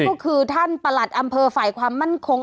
ก็คือท่านประหลัดอำเภอฝ่ายความมั่นคง